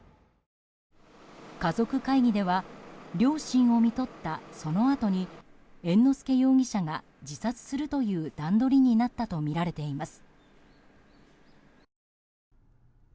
家族会議では両親をみとった、そのあとに猿之助容疑者が自殺するという段取りになったとみられています。